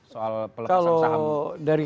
soal pelepasan saham